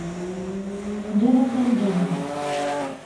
جلس الجميع.